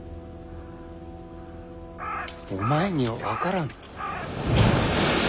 お前には分からぬ。